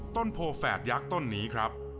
ต้นโพแฝดยักษ์ต้นนี้ครับ